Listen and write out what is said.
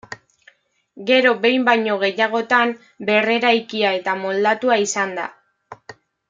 Gero behin baino gehiagotan berreraikia eta moldatua izan da.